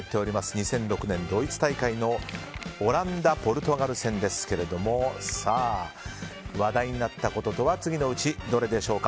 ２００６年ドイツ大会のオランダ、ポルトガル戦ですが話題になったこととは次のうちどれでしょうか。